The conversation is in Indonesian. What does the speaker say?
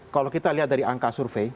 kalau kita lihat dari angka survei